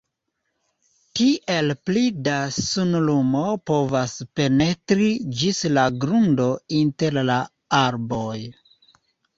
Tiel pli da sunlumo povas penetri ĝis la grundo inter la arboj.